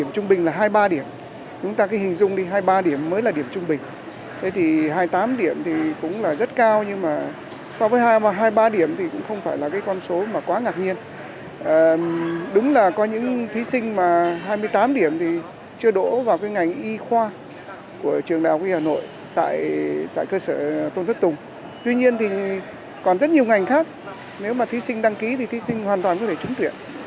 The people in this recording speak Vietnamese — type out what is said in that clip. còn rất nhiều ngành khác nếu mà thí sinh đăng ký thì thí sinh hoàn toàn có thể trúng tuyển